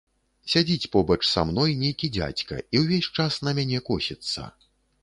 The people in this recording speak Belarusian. Сядзіць побач са мной нейкі дзядзька і ўвесь час на мяне косіцца.